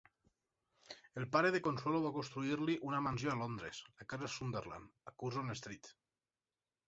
El pare de Consuelo va construir-li una mansió a Londres, la Casa Sunderland, a Curzon Street.